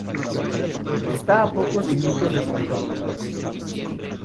Está a pocos minutos de Pachuca.